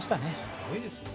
すごいですよね。